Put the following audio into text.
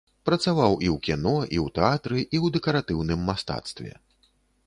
Працаваў і ў кіно і ў тэатры і ў дэкаратыўным мастацтве.